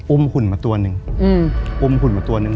อุ้มหุ่นมาตัวนึงอุ้มหุ่นมาตัวนึง